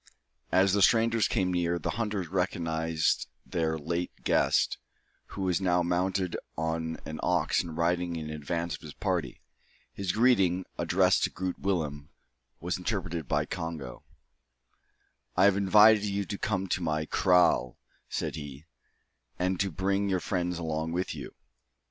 As the strangers came near, the hunters recognised their late guest, who was now mounted on an ox and riding in advance of his party. His greeting, addressed to Groot Willem, was interpreted by Congo. "I have invited you to come to my kraal," said he, "and to bring your friends along with you.